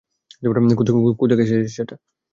কোত্থেকে এসেছে এটা?